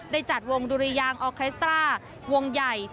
ได้จัดวงดุรยางออเคสเตอร์วงใหญ่